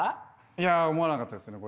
いや思わなかったですね